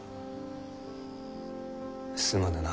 すまぬな。